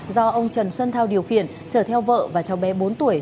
do ông trần xuân thao điều khiển chở theo vợ và cháu bé bốn tuổi